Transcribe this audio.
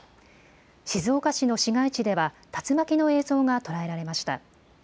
静岡市の市街地では竜巻の映像が捉えられました。